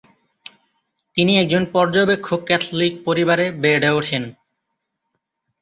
তিনি একজন পর্যবেক্ষক ক্যাথলিক পরিবারে বেড়ে ওঠেন।